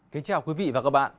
kính chào quý vị và các bạn